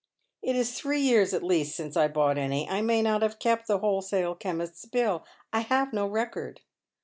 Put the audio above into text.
" It is tliree j^ears at least since I bought any. I may not have kept the wholesale chemist's bill, I have no record."